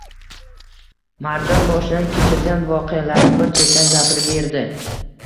Marjon boshidan kechirgan voqealarni bir chetdan gapirib berdi